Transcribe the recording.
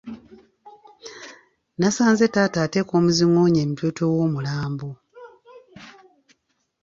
Nasanze taata ateeka omuzingoonyo emitwetwe w’omulambo.